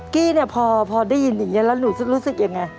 กี้เนี่ยพอได้ยินอย่างนี้แล้วหนูรู้สึกยังไง